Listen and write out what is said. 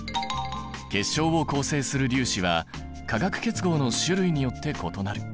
結晶を構成する粒子は化学結合の種類によって異なる。